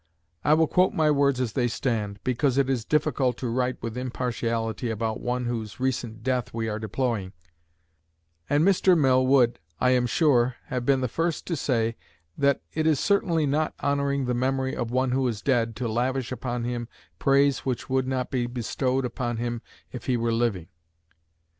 I will quote my words as they stand, because it is difficult to write with impartiality about one whose recent death we are deploring; and Mr. Mill would, I am sure, have been the first to say, that it is certainly not honoring the memory of one who is dead to lavish upon him praise which would not be bestowed upon him if he were living.